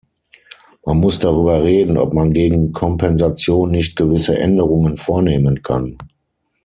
Man muss darüber reden, ob man gegen Kompensation nicht gewisse Änderungen vornehmen kann.